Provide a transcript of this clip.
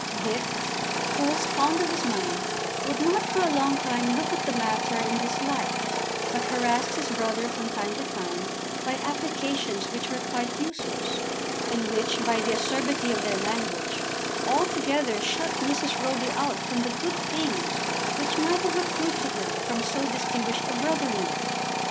Dick, who was fond of his money, would not for a long time look at the matter in this light, but harassed his brother from time to time by applications which were quite useless, and which by the acerbity of their language altogether shut Mrs. Roby out from the good things which might have accrued to her from so distinguished a brother in law.